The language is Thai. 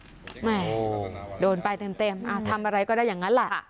แม่โดนไปเต็มทำอะไรก็ได้อย่างนั้นแหละ